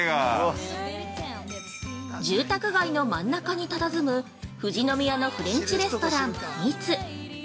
◆住宅街の真ん中にたたずむ、富士宮のフレンチレストラン「Ｍｉｔｓｕ」。